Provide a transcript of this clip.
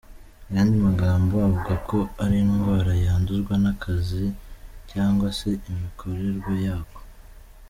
Mu yandi magambo avuga ko ari indwara yanduzwa n’akazi cyangwa se imikorerwe yako.